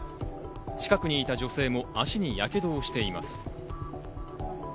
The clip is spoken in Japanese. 近くにいた女性も足にやけどをしています。